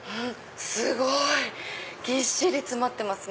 すごい！ぎっしり詰まってますね。